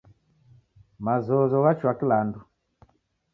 Mazozo yachua kila andu.